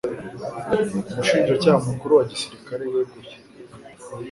umushinjacyaha mukuru wa gisirikare yeguye